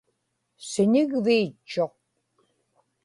siñigviitchuq